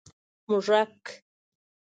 🐁 موږک